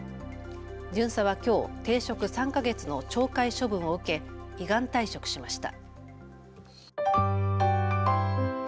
巡査はきょう停職３か月の懲戒処分を受け依願退職しました。